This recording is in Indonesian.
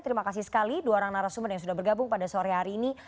terima kasih sekali dua orang narasumber yang sudah bergabung pada sore hari ini